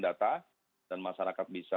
data dan masyarakat bisa